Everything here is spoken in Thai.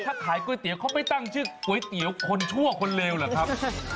ถ้าขายก๋วยเตี๋ยวเขาไปตั้งชื่อก๋วยเตี๋ยวคนชั่วคนเลวเหรอครับ